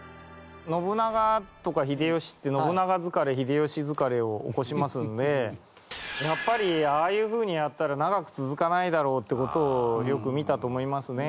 信長とか秀吉って信長疲れ秀吉疲れを起こしますのでやっぱりああいうふうにやったら長く続かないだろうって事をよく見たと思いますね。